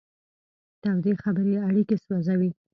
تودې خبرې اړیکې سوځوي.